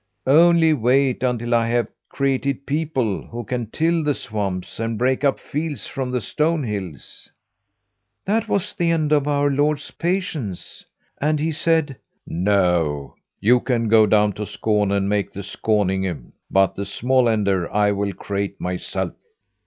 'Only wait until I have created people who can till the swamps and break up fields from the stone hills.' "That was the end of our Lord's patience and he said: 'No! you can go down to Skåne and make the Skåninge, but the Smålander I will create myself.'